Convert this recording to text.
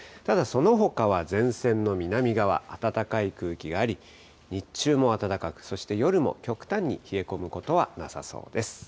ただそのほかは前線の南側、暖かい空気があり、日中も暖かく、そして夜も極端に冷え込むことはなさそうです。